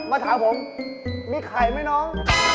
มาถามผมมีไข่ไหมน้อง